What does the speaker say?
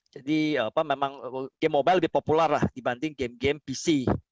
jadi memang game mobile lebih populer dibanding game game pc